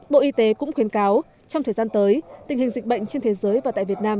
bộ y tế cũng khuyến cáo trong thời gian tới tình hình dịch bệnh trên thế giới và tại việt nam